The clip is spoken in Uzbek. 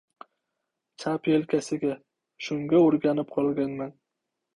Chap yelkasiga. Shunga o‘rganib qolganman.